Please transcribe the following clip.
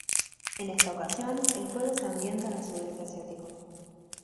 En esta ocasión, el juego se ambienta en el sudeste asiático.